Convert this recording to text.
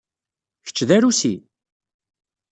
Kečč d arusi?